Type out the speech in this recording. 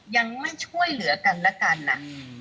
ยังไม่ช่วยเหลือกันละกันนะ